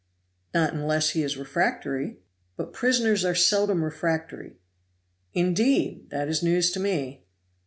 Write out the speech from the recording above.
"Not unless he is refractory." "But prisoners are very seldom refractory." "Indeed! that is news to me."